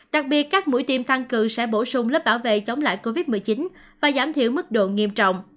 đặc biệt các mũi tiêm tăng cự sẽ bổ sung lớp bảo vệ chống lại covid một mươi chín và giảm thiểu mức độ nghiêm trọng